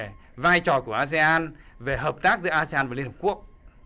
các nước p năm về vai trò của asean về hợp tác giữa asean và liên hợp quốc